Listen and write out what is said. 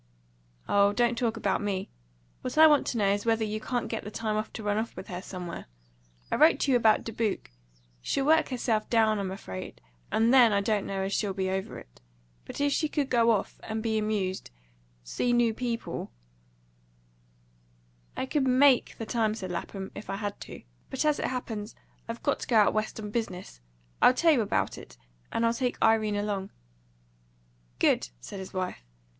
"Oh, don't talk about me. What I want to know is whether you can't get the time to run off with her somewhere. I wrote to you about Dubuque. She'll work herself down, I'm afraid; and THEN I don't know as she'll be over it. But if she could go off, and be amused see new people " "I could MAKE the time," said Lapham, "if I had to. But, as it happens, I've got to go out West on business, I'll tell you about it, and I'll take Irene along." "Good!" said his wife.